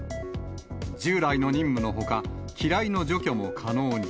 従来の任務のほか、機雷の除去も可能に。